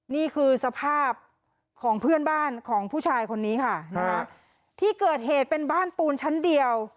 นี่คือสภาพของเพื่อนบ้านของผู้ชายคนนี้ค่ะนะคะที่เกิดเหตุเป็นบ้านปูนชั้นเดียว